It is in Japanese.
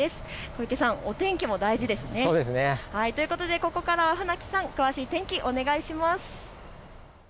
小池さん、お天気も大事ですね。ということでここからは船木さん、詳しい天気、お願いします。